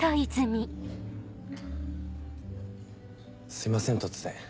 すいません突然。